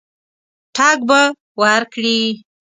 ټګ به ورکړي.